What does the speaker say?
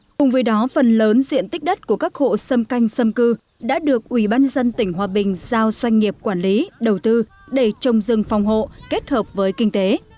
cùng với đó phần lớn diện tích đất của các hộ xâm canh xâm cư đã được ủy ban dân tỉnh hòa bình giao doanh nghiệp quản lý đầu tư để trồng rừng phòng hộ kết hợp với kinh tế